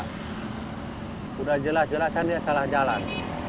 sudah jelas jelasan dia salah jalan